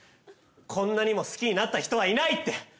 こんなにも好きになった人はいないって！